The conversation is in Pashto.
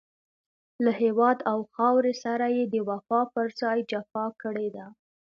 له هېواد او خاورې سره يې د وفا پر ځای جفا کړې ده.